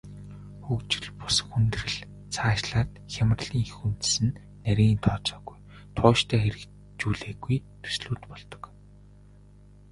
Хөгжил бус хүндрэл, цаашлаад хямралын эх үндэс нь нарийн тооцоогүй, тууштай хэрэгжүүлээгүй төслүүд болдог.